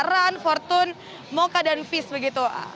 run fortun mocha dan fizz begitu